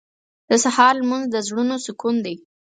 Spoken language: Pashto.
• د سهار لمونځ د زړونو سکون دی.